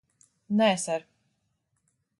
Nē, ser.